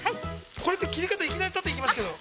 これって、切り方、いきなり縦に行きましたけど。